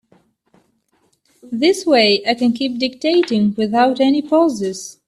This way I can keep dictating without any pauses.